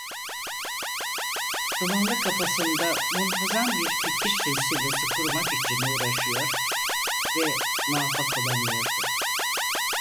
Dumanlı kafasında muntazam bir fikir silsilesi kurmak için uğraşıyor ve muvaffak olamıyordu.